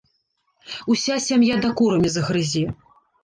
Уся сям'я дакорамі загрызе.